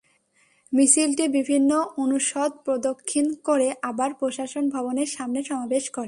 মিছিলটি বিভিন্ন অনুষদ প্রদক্ষিণ করে আবার প্রশাসন ভবনের সামনে সমাবেশ করে।